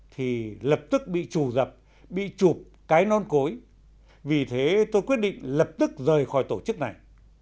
thì lập tức bị trù dập bị trụp cái non cối vì thế tôi quyết định lập tức rời khỏi tổ chức này